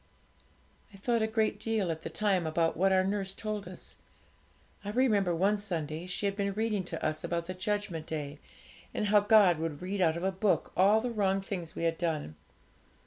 'I thought a great deal at the time about what our nurse told us. I remember one Sunday she had been reading to us about the Judgment Day, and how God would read out of a book all the wrong things we had done.